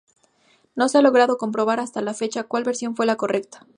No se ha logrado comprobar hasta la fecha cual versión fue la correcta.